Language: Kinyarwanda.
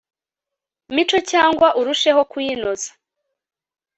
mico cyangwa urusheho kuyinoza